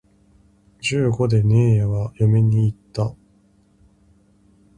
十五でねえやは嫁に行った